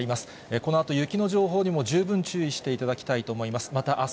このあと雪の情報にも十分注意していただきたいと思います。